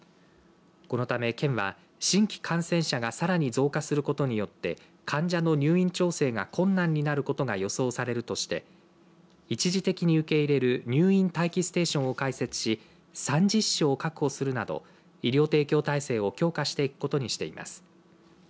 このため、県は新規感染者がさらに増加することによって患者の入院調整が困難になることが予想されるとして一時的に受け入れる入院待機ステーションを開設し３０床を確保するなど医療提供体制を強化していくことにしています。